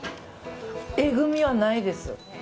えぐみはないです。